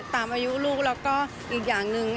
ตามอายุลูกแล้วก็อีกอย่างหนึ่ง